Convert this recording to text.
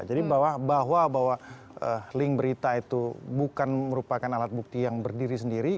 jadi bahwa bahwa link berita itu bukan merupakan alat bukti yang berdiri sendiri